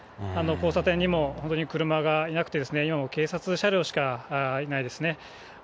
交差点にも本当に車がいなくてですね、今も警察車両しかいないですね。